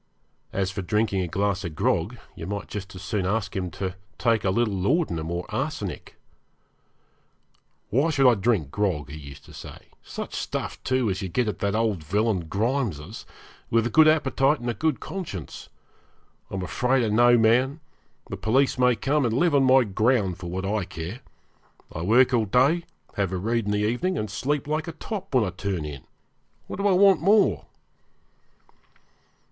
As for drinking a glass of grog, you might just as soon ask him to take a little laudanum or arsenic. 'Why should I drink grog,' he used to say 'such stuff, too, as you get at that old villain Grimes's with a good appetite and a good conscience? I'm afraid of no man; the police may come and live on my ground for what I care. I work all day, have a read in the evening, and sleep like a top when I turn in. What do I want more?'